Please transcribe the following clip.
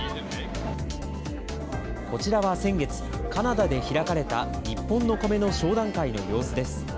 こちらは先月、カナダで開かれた日本のコメの商談会の様子です。